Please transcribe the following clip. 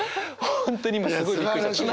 本当に今すごいびっくりしました。